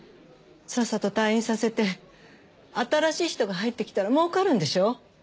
さっさと退院させて新しい人が入ってきたら儲かるんでしょ？